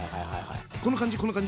この感じこの感じ？